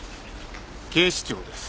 警視庁です。